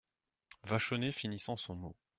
Vachonnet finissant son mot.